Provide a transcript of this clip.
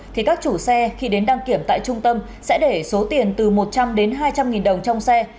thì các chủ xe khi đến đăng kiểm tại trung tâm sẽ để số tiền từ một trăm linh đến hai trăm linh nghìn đồng trong xe